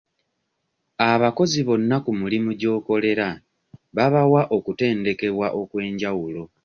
Abakozi bonna ku mulimu gy'okolera babawa okutendekebwa okw'enjawulo?